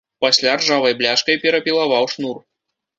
Пасля ржавай бляшкай перапілаваў шнур.